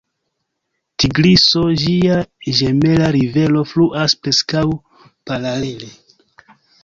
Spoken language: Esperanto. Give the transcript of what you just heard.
Tigriso, ĝia ĝemela rivero, fluas preskaŭ paralele.